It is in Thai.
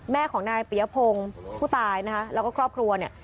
แม่ของนายปียพงศ์ผู้ตายนะคะแล้วก็ครอบครัวเนี่ย